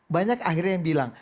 banyak akhirnya yang bilang